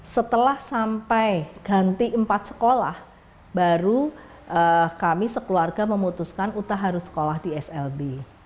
setelah sampai ganti empat sekolah baru kami sekeluarga memutuskan uta harus sekolah di slb